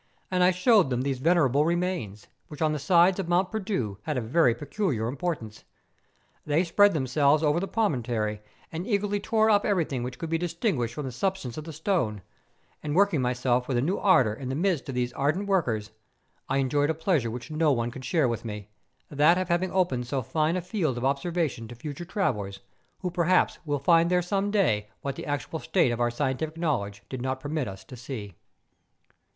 And I showed them these venerable remains, which on the sides of Mont Perdu had a very peculiar importance. They spread themselves over the promontory, and eagerly tore up everything which could be distinguished from the substance of the stone; and working myself with a new ardour in the midst of these ardent MONT PEKDU. 143 workers, I enjoyed a pleasure which no one could share with me—that of having opened so fine a field of observation to future travellers, who perhaps will find there some day what the actual state of our scientific knowledge did not permit us to see.